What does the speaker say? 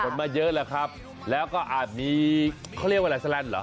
มาเยอะแหละครับแล้วก็อาจมีเขาเรียกว่าอะไรแสลนดเหรอ